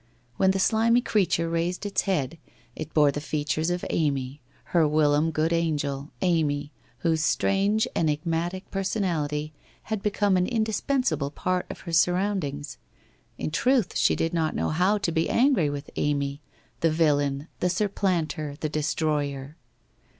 When the slimy creature raised its head, it bore the features of Amy, her whilom good angel, Amy, whose strange enigmatic per sonality had become an indispensable part of her surround ings. In truth she did not know how to be angry with Amy, the villain, the supplanter, the destroyer.